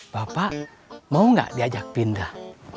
bapak mau nggak diajak pindah